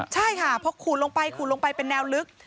ใช่ค่ะพอขูดลงไปขูดลงไปเป็นแนวลึก